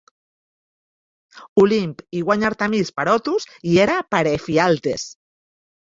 Olimp i guanya Artemis per Otus i Hera per Ephialtes.